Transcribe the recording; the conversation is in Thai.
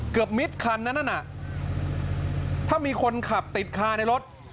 มิดคันนั้นน่ะถ้ามีคนขับติดคาในรถ